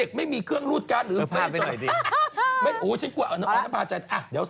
สงสักงคิงเจาค์